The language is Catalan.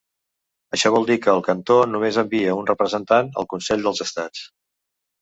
Això vol dir que el cantó només envia un representant al Consell dels Estats.